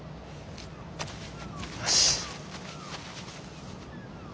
よし。